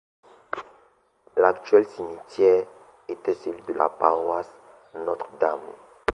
L'actuel cimetière était celui de la paroisse Notre-Dame.